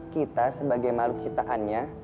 kita sebagai mahluk citaannya